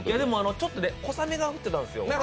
ちょっと小雨が降ってたんですよ。